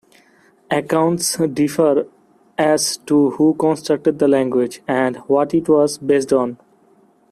Accounts differ as to who constructed the language, and what it was based on.